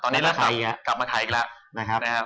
ตอนนี้ก็กลับมาขายอีกแล้วนะครับ